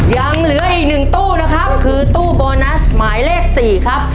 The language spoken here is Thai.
ยังเหลืออีกหนึ่งตู้นะครับคือตู้โบนัสหมายเลข๔ครับ